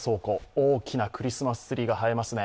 大きなクリスマスツリーが映えますね。